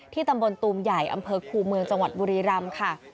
ตำบลตูมใหญ่อำเภอคูเมืองจังหวัดบุรีรำค่ะ